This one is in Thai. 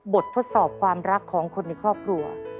ทดสอบความรักของคนในครอบครัว